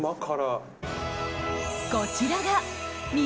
こちらが味